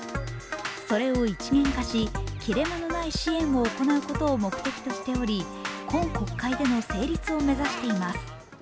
それを一元化し切れ目のない支援を行うことを目的としており今国会での成立を目指しています。